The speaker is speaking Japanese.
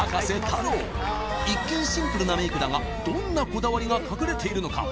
太郎一見シンプルなメイクだがどんなこだわりが隠れているのか？